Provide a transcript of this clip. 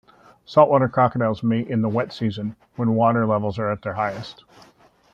Saltwater crocodiles mate in the wet season, when water levels are at their highest.